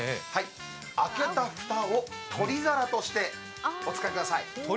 開けた蓋を取り皿としてお使いください。